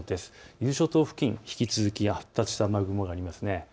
伊豆諸島付近、引き続き発達した雨雲ですね。